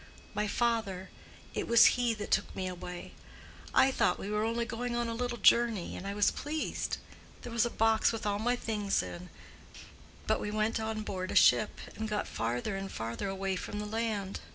My father—it was he that took me away. I thought we were only going on a little journey; and I was pleased. There was a box with all my little things in. But we went on board a ship, and got farther and farther away from the land.